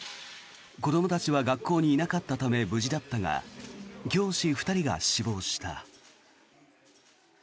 子どもたちは学校にいなかったため無事だったが教師２人が死亡した。